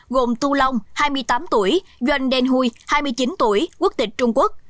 gồm tu long hai mươi tám tuổi yuan denghui hai mươi chín tuổi quốc tịch trung quốc